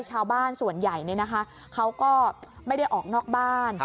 ชาวบ้านส่วนใหญ่เขาก็ไม่ได้ออกนอกบ้าน